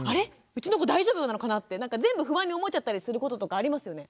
うちの子大丈夫なのかなって全部不安に思っちゃったりすることとかありますよね。